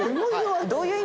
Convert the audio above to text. どういう意味？